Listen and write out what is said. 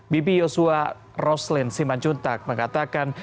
bibi yosua roslin simanjuntak mengatakan